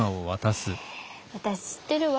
私知ってるわ。